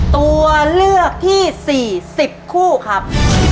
ตัวเลือกที่๔๐คู่ครับ